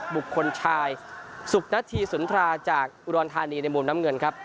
บุคคลชายสุขนาธีสุนทราจากอุดรธานีในมุมน้ำเงินครับ